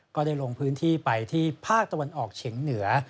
ก็ได้ลงพื้นที่ไปที่ภาคตะวันออกเฉียงเหนือ